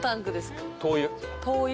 灯油？